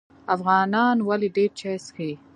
افغانان ولې ډیر چای څښي؟